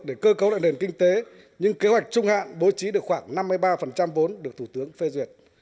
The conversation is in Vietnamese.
để cơ cấu lại nền kinh tế nhưng kế hoạch trung hạn bố trí được khoảng năm mươi ba vốn được thủ tướng phê duyệt